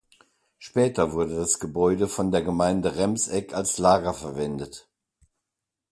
Später wurde das Gebäude von der Gemeinde Remseck als Lager verwendet.